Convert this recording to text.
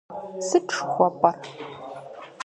Сыт жыхуэфӀэр?